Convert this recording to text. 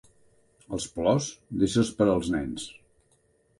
Els plors, deixa'ls per als nens.